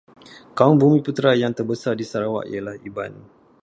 Kaum Bumiputera yang terbesar di Sarawak ialah Iban.